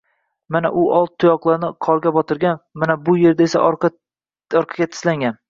Mana u old tuyoqlarini qorga botirgan, mana bu erda esa orqaga tislangan